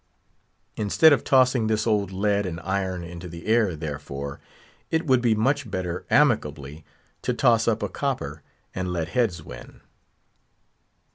Instead of tossing this old lead and iron into the air, therefore, it would be much better amicably to toss up a copper and let heads win.